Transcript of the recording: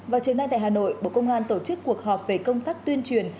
và trên đây tại hà nội bộ công an tổ chức cuộc họp về công tác tuyên truyền